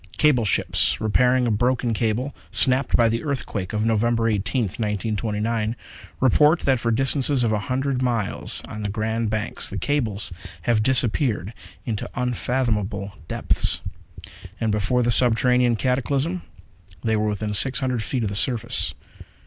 Cable ships repairing a broken cable, snapped by the earthquake of November 18th, 1929, report that for distances of a hundred miles on the Grand Banks the cables have disappeared into unfathomable depths. And before the subterranean cataclysm, they were within six hundred feet of the surface.